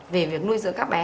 về việc nuôi dưỡng các bé